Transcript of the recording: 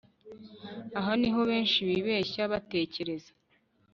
Aha ni ho benshi bibeshya batekereza